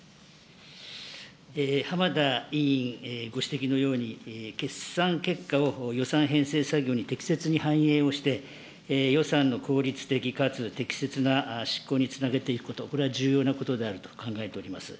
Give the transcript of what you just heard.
浜田委員ご指摘のように、決算結果を予算編成作業に適切に反映して、予算の効率的かつ適切な執行につなげていくこと、これは重要なことであると考えております。